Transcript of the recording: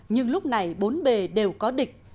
nhưng lúc này bốn bề đều có địch